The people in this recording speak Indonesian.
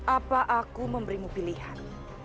apa aku memberimu pilihan